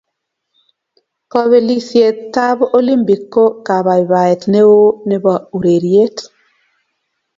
Kobelisietab Olimpik ko kabaibaeet neoo nebo urerieet